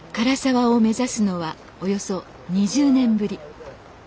涸沢を目指すのはおよそ２０年ぶり。